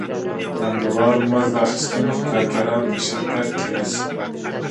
پانګوال مزد اخیستونکي کارګران په شرکت کې نیسي